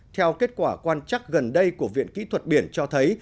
theo kết quả quan chắc gần đây của viện kỹ thuật biển cho thấy